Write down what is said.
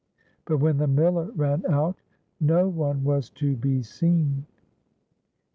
But when the miller ran out, no one was to be seen.